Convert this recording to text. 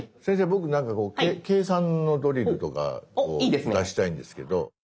僕なんかこう計算のドリルとかを出したいんですけど。